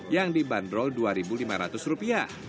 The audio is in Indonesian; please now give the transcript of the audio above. yang dibanderol dua lima ratus rupiah